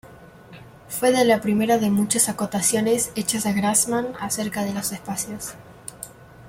Fue la primera de muchas acotaciones hechas a Grassmann acerca de los espacios.